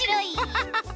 ハハハ